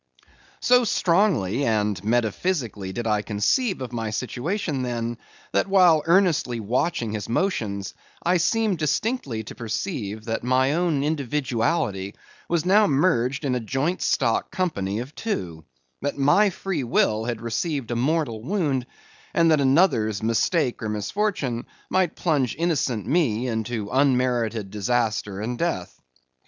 So strongly and metaphysically did I conceive of my situation then, that while earnestly watching his motions, I seemed distinctly to perceive that my own individuality was now merged in a joint stock company of two; that my free will had received a mortal wound; and that another's mistake or misfortune might plunge innocent me into unmerited disaster and death.